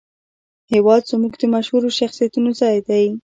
هېواد زموږ د مشهورو شخصیتونو ځای دی